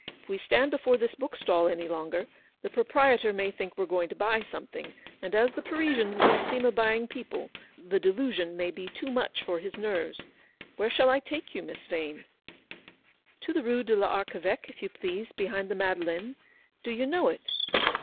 If we stand before this book stall any longer, the proprietor may think we're going to buy something, and as the Parisians don't seem a buying people, the delusion might be too much for his nerves. Where shall I take you, Miss Vane ?" "To the Rue de PArcheveque, if you please, behind the Madeleine. Do you know it